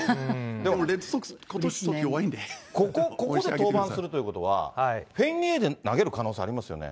でも、レッドソックス、ここで登板するということは、フェンウェイで投げる可能性ありますよね。